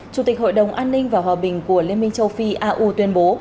chủ tịch hội đồng an ninh và hòa bình của liên minh châu phi au tuyên bố